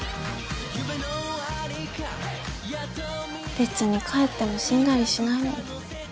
べつに帰っても死んだりしないのに。